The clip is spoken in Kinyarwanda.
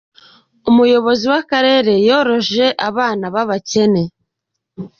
Umuyobozi w’Akarere yoroje abana b’abakene